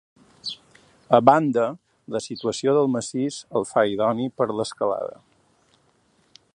A banda, la situació del massís el fa idoni per a l’escalada.